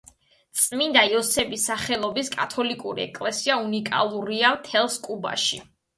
წმინდა იოსების სახელობის კათოლიკური ეკლესია უნიკალურია მთელს კუბაში.